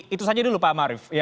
itu saja dulu pak marief